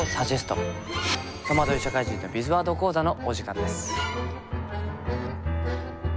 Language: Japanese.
「とまどい社会人のビズワード講座」のお時間です。